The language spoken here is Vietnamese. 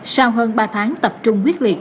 sau hơn ba tháng tập trung quyết liệt